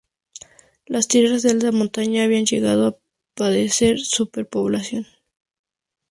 Las tierras de alta montaña habían llegado a padecer superpoblación.